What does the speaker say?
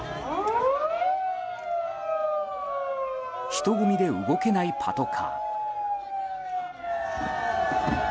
人混みで動けないパトカー。